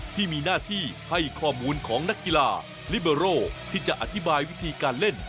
ที่มีหน้าที่ให้ข้อมูลของนักกีฬาลิเบอร์โร่ที่จะอธิบายวิธีการเล่น